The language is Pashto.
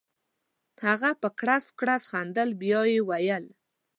هغه په کړس کړس خندل بیا یې وویل.